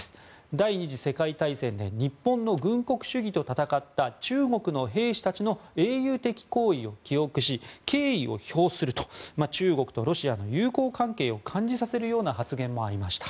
第２次世界大戦で日本の軍国主義と戦った中国の兵士たちの英雄的行為を記憶し敬意を表すると中国とロシアの友好関係を感じさせるような発言もありました。